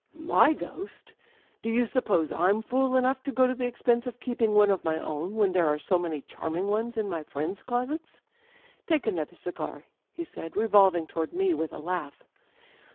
" Jfy ghost ? Do you suppose I*m fool enough to go to the expense of keeping one of my own, when there are so many charming ones in my friends' closets? â€" Take another cigar," he said, revolving toward me with a laugh.